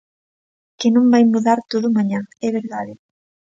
Que non vai mudar todo mañá, é verdade.